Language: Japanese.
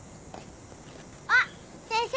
あっ先生